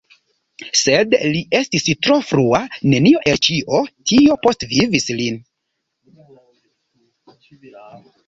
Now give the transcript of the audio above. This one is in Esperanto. Sed li estis tro frua, nenio el ĉio tio postvivis lin.